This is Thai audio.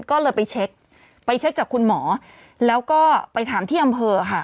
ก็เลยไปเช็คไปเช็คจากคุณหมอแล้วก็ไปถามที่อำเภอค่ะ